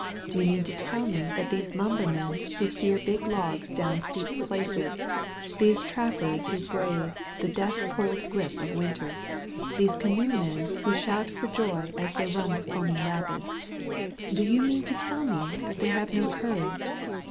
Do you mean to tell me that these lumbermen who steer big logs down steep places, these trappers who brave the death cold grip of Winter, these canoe men who shout for joy as they run the foaming rapids, — do you mean to tell me that they have no courage